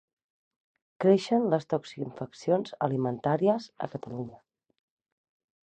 Creixen les toxiinfeccions alimentàries a Catalunya.